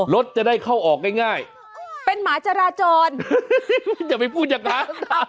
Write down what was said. รถจะได้เข้าออกง่ายเป็นหมาจราจรอย่าไปพูดอย่างนั้น